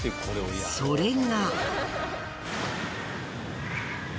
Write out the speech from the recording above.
それが。